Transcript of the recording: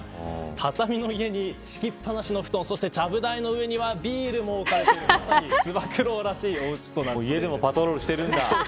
畳の家に敷きっぱなしの布団ちゃぶ台の上にはビールも置かれている、つば九郎らしい家でもパトロールしてるんだ。